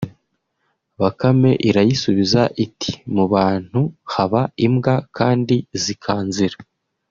Bakame irayisubiza iti « mu bantu haba imbwa kandi zikanzira